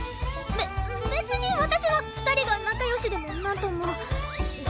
べ別に私は２人が仲良しでもなんとも。だ